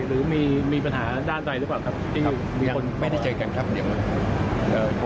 หรือมีมีปัญหาด้านใดหรือเปล่าครับที่มีคน